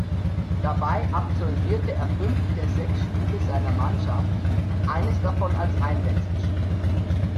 Dabei absolvierte er fünf der sechs Spiele seiner Mannschaft, eines davon als Einwechselspieler.